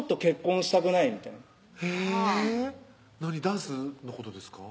ダンスのことですか？